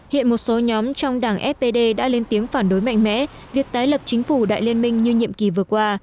hiện một số nhóm trong đảng fpd đã lên tiếng phản đối mạnh mẽ việc tái lập chính phủ đại liên minh như nhiệm kỳ vừa qua